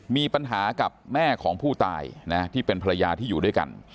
มีปัญหากับแม่ของผู้ตายนะที่เป็นภรรยาที่อยู่ด้วยกัน